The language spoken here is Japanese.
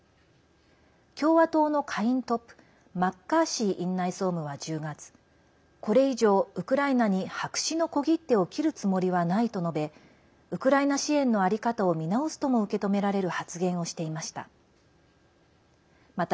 共和党の下院トップマッカーシー院内総務は１０月これ以上、ウクライナに白紙の小切手を切るつもりはないと述べウクライナ支援の在り方を見直すとも受け止められる発言をしていました。